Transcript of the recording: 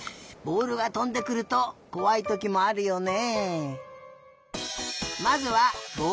おるがとんでくるとこわいときもあるよね。